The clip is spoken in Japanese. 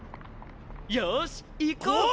よぉし行こうか！